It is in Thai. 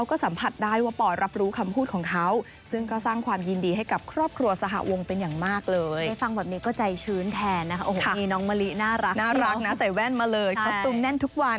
โอ้โหนี่น้องมะลิน่ารักใช่ไหมน่ารักนะใส่แว่นมาเลยคอสตุมแน่นทุกวัน